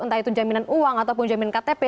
entah itu jaminan uang ataupun jamin ktp